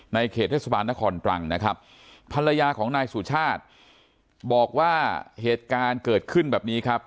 เขตเทศบาลนครตรังนะครับภรรยาของนายสุชาติบอกว่าเหตุการณ์เกิดขึ้นแบบนี้ครับ